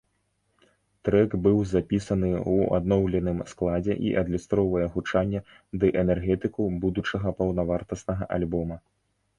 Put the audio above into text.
Трэк быў запісаны ў адноўленым складзе і адлюстроўвае гучанне ды энергетыку будучага паўнавартаснага альбома.